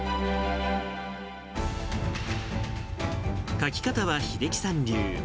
書き方は秀樹さん流。